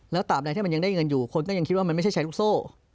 แล้วตามใดที่มันยังได้เงินอยู่คนก็ยังคิดว่ามันไม่ใช่ใช้ลูกโซ่